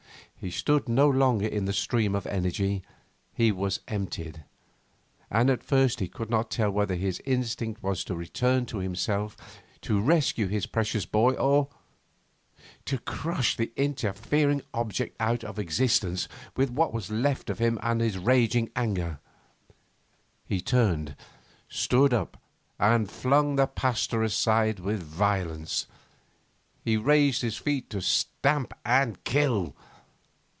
He stood no longer in the stream of energy. He was emptied. And at first he could not tell whether his instinct was to return himself, to rescue his precious boy, or to crush the interfering object out of existence with what was left to him of raging anger. He turned, stood up, and flung the Pasteur aside with violence. He raised his feet to stamp and kill